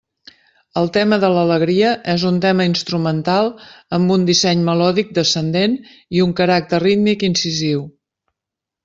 El tema de l'alegria és un tema instrumental amb un disseny melòdic descendent i un caràcter rítmic incisiu.